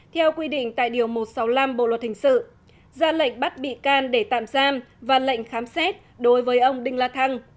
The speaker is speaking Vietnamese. theo quy định tại điều một trăm sáu mươi năm bộ luật hình sự ra lệnh bắt bị can để tạm giam và lệnh khám xét đối với ông đinh la thăng